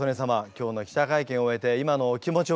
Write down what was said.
今日の記者会見を終えて今のお気持ちは？